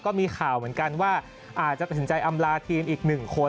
ก็มีข่าวเหมือนกันว่าอาจจะตัดสินใจอำลาทีมอีกหนึ่งคน